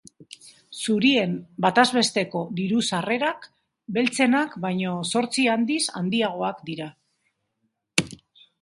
Zurien batez besteko diru-sarrerak, beltzenak baino zortzi handiz handiagoak dira.